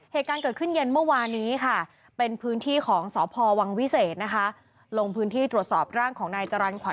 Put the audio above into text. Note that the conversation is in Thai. เหตุการณ์เกิดขึ้นเย็นเมื่อวานี้ค่ะเป็นพื้นที่ของสพวังวิเศษนะคะ